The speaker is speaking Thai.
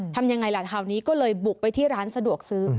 ทำยังไงล่ะคราวนี้ก็เลยบุกไปที่ร้านสะดวกซื้อ